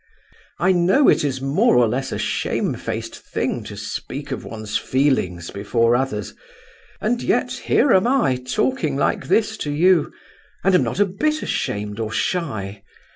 "I know it is more or less a shamefaced thing to speak of one's feelings before others; and yet here am I talking like this to you, and am not a bit ashamed or shy.